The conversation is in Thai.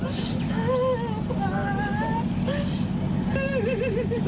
ป๊า